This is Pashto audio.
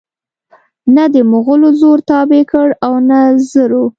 نه دمغلو زور تابع کړ او نه زرو